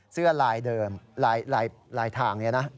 เสื้อลายเดิมลายทางนี้นะ